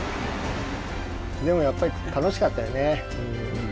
でもやっぱり楽しかったよね。